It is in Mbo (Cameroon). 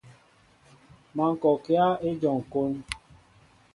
Má ŋkɔkă éjom kón.